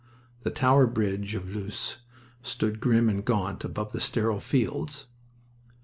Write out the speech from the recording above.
The Tower Bridge of Loos stood grim and gaunt above the sterile fields.